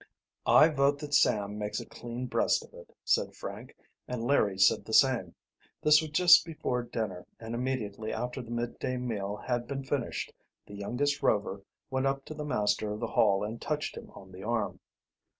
"I vote that Sam makes a clean breast of it," said Frank, and Larry said the same. This was just before dinner, and immediately after the midday meal had been finished the youngest Rover went up to the master of the Hall and touched him on the arm.